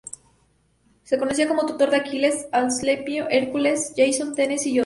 Se conocía como tutor de Aquiles, Asclepio, Heracles, Jasón, Teseo y otros.